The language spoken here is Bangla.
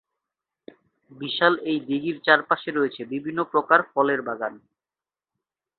বিশাল এই দিঘীর চারপাশে রয়েছে বিভিন্ন প্রকার ফলের বাগান।